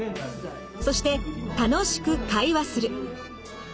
そして楽しく会話する。